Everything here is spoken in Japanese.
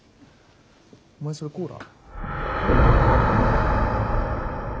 お前それコーラ？